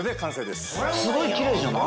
すごいきれいじゃない？